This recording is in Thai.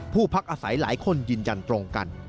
พักอาศัยหลายคนยืนยันตรงกัน